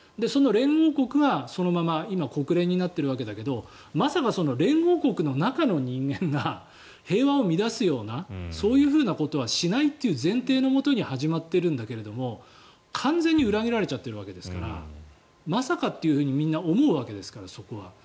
その連合国がそのまま今、国連になっているわけだけどまさかその連合国の中の人間が平和を乱すようなそういうことはしないという前提をもとに始まっているんだけども完全に裏切られているわけですからまさかとみんな思うわけですからそこは。